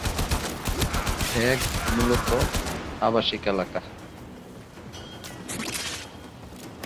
Hague মূলতঃ আবাসিক এলাকা।